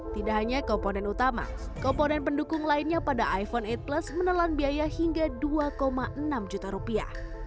tidak hanya komponen utama komponen pendukung lainnya pada iphone delapan plus menelan biaya hingga dua enam juta rupiah